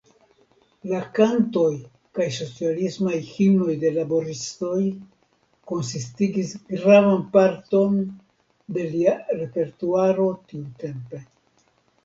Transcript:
La kantoj kaj socialismaj himnoj de laboristoj konsistigis gravan parton de lia repertuaro tiutempe.